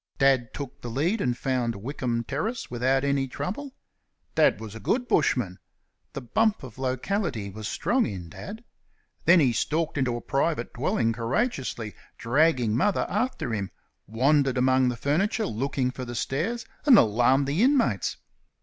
Dad took the lead and found Wickham Terrace without any trouble. Dad was a good bushman. The bump of locality was strong in Dad. Then he stalked into a private dwelling courageously, dragging Mother after him, wandered among the furniture looking for the stairs, and alarmed the inmates.